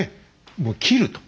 もう斬ると。